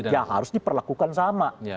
ya harus diperlakukan sama